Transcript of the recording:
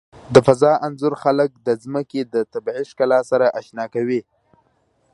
د فضا انځور خلک د ځمکې د طبیعي ښکلا سره آشنا کوي.